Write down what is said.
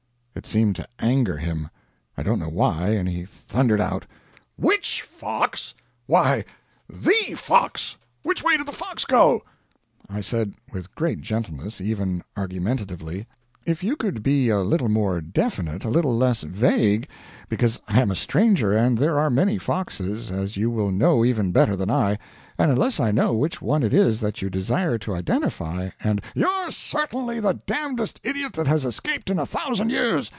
"It seemed to anger him. I don't know why; and he thundered out: "'WHICH fox? Why, THE fox? Which way did the FOX go?' "I said, with great gentleness even argumentatively: "'If you could be a little more definite a little less vague because I am a stranger, and there are many foxes, as you will know even better than I, and unless I know which one it is that you desire to identify, and ' "'You're certainly the damdest idiot that has escaped in a thousand years!'